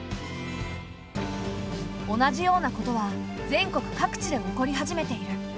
同じようなことは全国各地で起こり始めている。